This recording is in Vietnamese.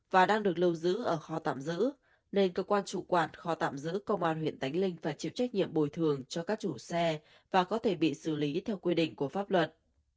và đang được lưu giữ ở kho tạm giữ nên cơ quan chủ quản kho tạm giữ công an huyện tánh linh phải chịu trách nhiệm bồi thường cho các chủ xe và có thể bị xử lý theo quy định của pháp luật